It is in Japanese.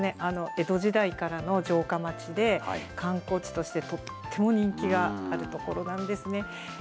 江戸時代からの城下町で、観光地としてとっても人気がある所なんですね。